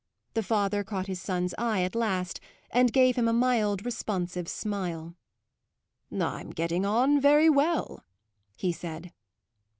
The father caught his son's eye at last and gave him a mild, responsive smile. "I'm getting on very well," he said.